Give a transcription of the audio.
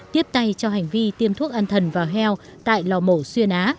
tiếp tay cho hành vi tiêm thuốc an thần vào heo tại lò mổ xuyên á